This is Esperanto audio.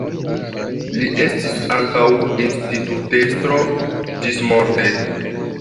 Li estis ankaŭ institutestro ĝismorte.